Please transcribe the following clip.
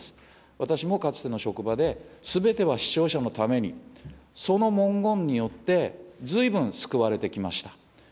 私もかつての職場で、すべては視聴者のために、その文言によって、ずいぶん救われてきました。